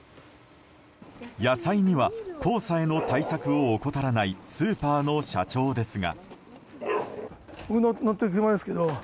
野菜には黄砂への対策を怠らないスーパーの社長ですが。